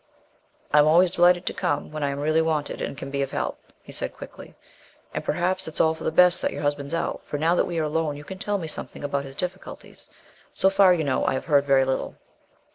"I am always delighted to come when I am really wanted, and can be of help," he said quickly; "and, perhaps, it's all for the best that your husband is out, for now that we are alone you can tell me something about his difficulties. So far, you know, I have heard very little."